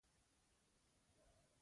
ورزش کول د انرژۍ کچه لوړوي.